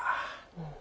うん。